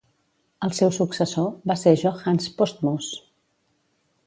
El seu successor va ser Johannes Postmus.